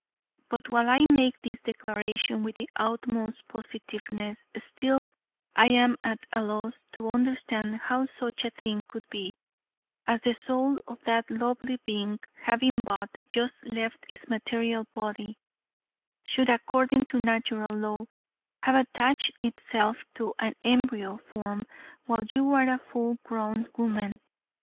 But while I make this declaration with the utmost positiveness, still I am at a loss to understand how such a thing could be, as the soul of that lovely being, having but just left its material body, should according to Natural Law, have attached itself to an embryo form, while you are a full grown woman."